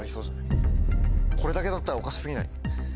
これだけだったらおかし過ぎない？